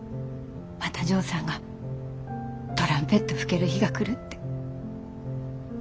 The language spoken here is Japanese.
またジョーさんがトランペット吹ける日が来るって。